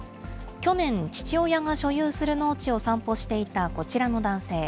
去年、父親が所有する農地を散歩していたこちらの男性。